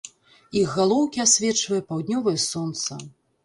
Іх галоўкі асвечвае паўднёвае сонца.